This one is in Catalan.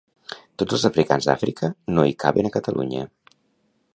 Tots els africans d'Àfrica no hi caben a Catalunya